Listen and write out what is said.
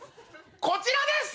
こちらです。